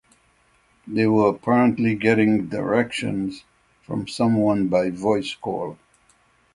They were apparently getting directions from someone by voice call.